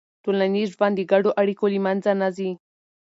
ټولنیز ژوند د ګډو اړیکو له منځه نه ځي.